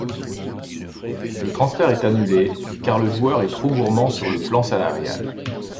Le transfert est annulé car le joueur est trop gourmand sur le plan salarial.